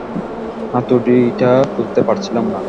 হাতুড়িটা তুলতে পারছিলাম না।